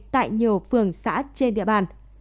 tại nhiều phường xã trên địa bàn